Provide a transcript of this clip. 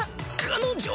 彼女。